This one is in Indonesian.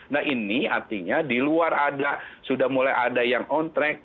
nah ini artinya di luar ada sudah mulai ada yang on track